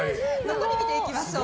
残り見ていきましょう。